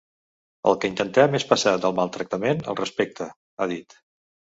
El que intentem és passar del maltractament al respecte, ha dit.